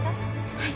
はい！